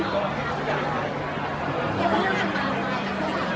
การรับความรักมันเป็นอย่างไร